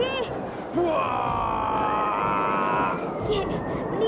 ini satu anak anak